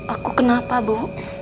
aku kenapa bu